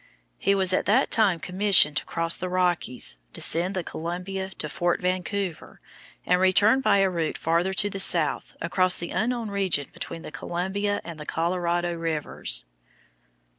He was at that time commissioned to cross the Rockies, descend the Columbia to Fort Vancouver, and return by a route farther to the south, across the unknown region between the Columbia and the Colorado rivers.